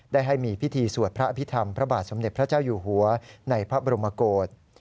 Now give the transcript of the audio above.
ได้ให้มีพิธีสวดพระอภิษฐรรมพระบาทสมเด็จพระเจ้าอยู่หัวในพระบรมโกศ